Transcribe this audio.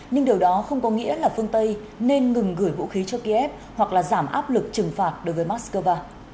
nhưng điều đó không có nghĩa là phương tây nên ngừng gửi vũ khí cho kiev hoặc là giảm áp lực trừng phạt đối với moscow